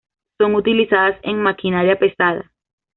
Son utilizadas en maquinaria pesada.